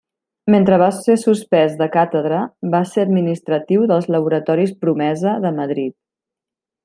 Mentre va ser suspès de càtedra va ser administratiu dels laboratoris Promesa de Madrid.